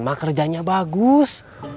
ma kerjanya bagus